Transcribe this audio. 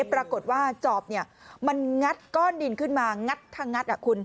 ปรากฏว่าจอบมันงัดก้อนดินขึ้นมางัดทางงัดคุณ